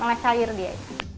malah salir dia